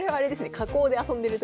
加工で遊んでる時。